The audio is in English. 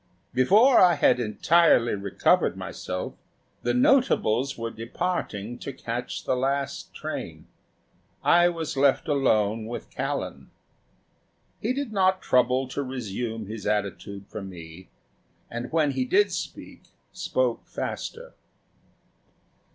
Before I had entirely recovered myself, the notables were departing to catch the last train. I was left alone with Callan. He did not trouble to resume his attitude for me, and when he did speak, spoke faster.